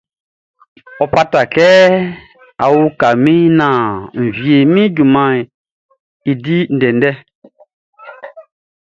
Ɔ fata kɛ be uka min naan mʼan wie junmanʼn i di ndɛndɛ.